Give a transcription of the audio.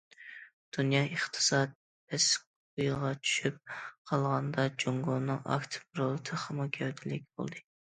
دۇنيا ئىقتىساد پەسكويغا چۈشۈپ قالغاندا، جۇڭگونىڭ ئاكتىپ رولى تېخىمۇ گەۋدىلىك بولدى.